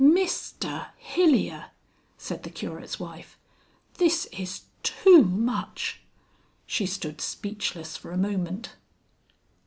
"MIS ter Hilyer!" said the Curate's wife. "This is too much!" She stood speechless for a moment.